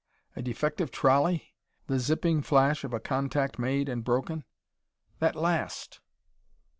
A defective trolley? The zipping flash of a contact made and broken? That last!